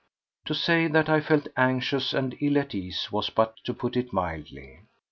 To say that I felt anxious and ill at ease was but to put it mildly.